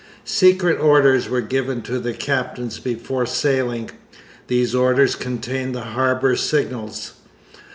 Secret orders were given to the captains before sailing. These orders contained the harbour signals.